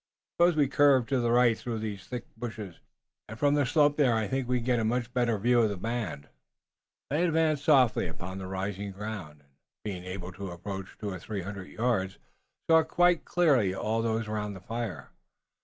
Suppose we curve to the right through these thick bushes, and from the slope there I think we can get a much better view of the band." They advanced softly upon rising ground, and being able to approach two or three hundred yards, saw quite clearly all those around the fire.